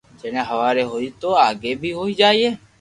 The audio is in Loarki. جني ھواري ھوئي تو آگي بي ھوئي جائين